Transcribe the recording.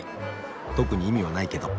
特に意味はないけど。